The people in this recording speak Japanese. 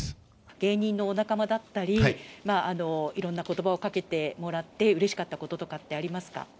芸人のお仲間だったり、いろんなことばをかけてもらって、うれしかったこととかってありますか。